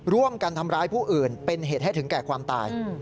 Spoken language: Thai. ร่วมกันทำร้ายผู้อื่นเป็นเหตุให้ถึงแก่ความตาย